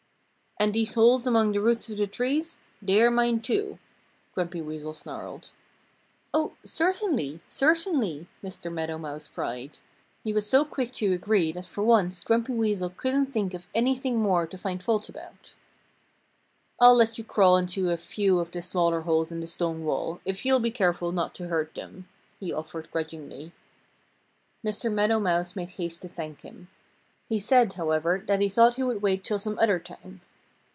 "And these holes among the roots of the trees they are mine too," Grumpy Weasel snarled. "Oh, certainly! Certainly!" Mr. Meadow Mouse cried. He was so quick to agree that for once Grumpy Weasel couldn't think of anything more to find fault about. "I'll let you crawl into a few of the smaller holes in the stone wall, if you'll be careful not to hurt them," he offered grudgingly. Mr. Meadow Mouse made haste to thank him. He said, however, that he thought he would wait till some other time.